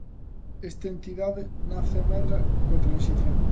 Esta entidade nace e medra coa Transición.